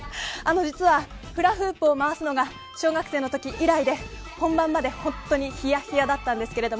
実は、フラフープを回すのが小学生の時以来で本番まで本当にひやひやだったんですが。